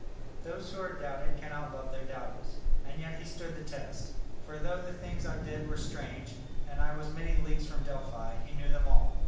Those who are doubted cannot love their doubters. And yet he stood the test; for though the things I did were strange, and I was many leagues from Delphi, he knew them all.